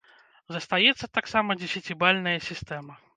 Застаецца таксама дзесяцібальная сістэма.